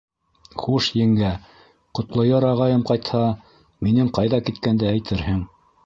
— Хуш, еңгә, Ҡотлояр ағайым ҡайтһа, минең ҡайҙа киткәнде әйтерһең.